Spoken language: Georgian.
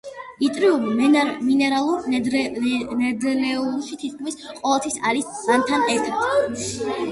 იტრიუმი მინერალურ ნედლეულში თითქმის ყოველთვის არის ლანთანთან ერთად.